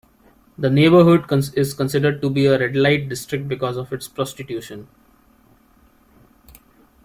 The neighborhood is considered to be a red-light district, because of its prostitution.